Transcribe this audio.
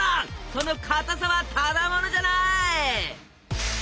そのかたさはただものじゃない！